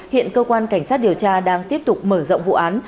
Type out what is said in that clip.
hiện cơ quan cảnh sát điều tra đang tiếp tục mở rộng vụ án